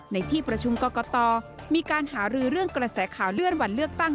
ในที่ประชุมกรกตมีการหารือเรื่องกระแสข่าวเลื่อนวันเลือกตั้ง